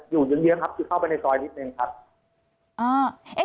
อยู่ยังเยอะครับอยู่เข้าไปในตรอยนิดนึงครับ